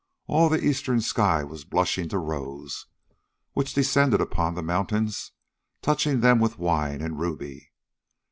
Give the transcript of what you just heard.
All the eastern sky was blushing to rose, which descended upon the mountains, touching them with wine and ruby.